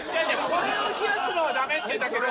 これを冷やすのはダメって言ったけど。